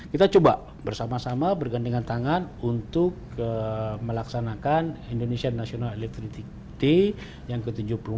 kita coba bersama sama bergandingan tangan untuk melaksanakan indonesia national electric day yang ke tujuh puluh empat